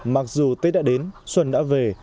mặc dù tết đã đến xuân đã về